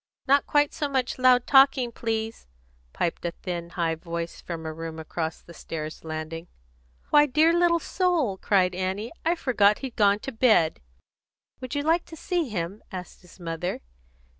"Not quite so much loud talking, please," piped a thin, high voice from a room across the stairs landing. "Why, dear little soul!" cried Annie. "I forgot he'd gone to bed." "Would you like to see him?" asked his mother.